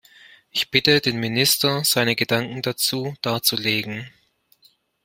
Ich bitte den Minister, seine Gedanken dazu darzulegen.